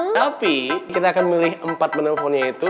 tapi kita akan memilih empat penelponnya itu